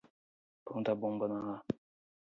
Planta a bomba na A